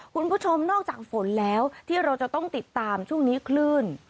คุณผู้ชมนอกจากฝนแล้วที่เราจะต้องติดตามช่วงนี้คลื่น